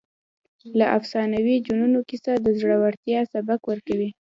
د افسانوي جنونو کیسه د زړورتیا سبق ورکوي.